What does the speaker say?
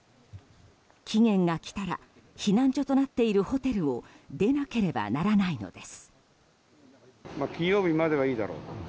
期限が来たら避難所となっているホテルを出なければならないのです。